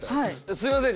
すいません